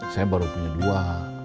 saya baru punya dua